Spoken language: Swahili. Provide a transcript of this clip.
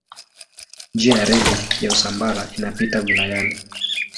Njia ya reli ya Usambara inapita wilayani.